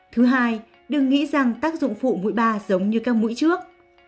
thứ hai đừng nghĩ rằng tác dụng phụ mũi ba giống như các mũi trước